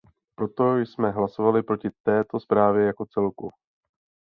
Proto jsme hlasovali proti této zprávě jako celku.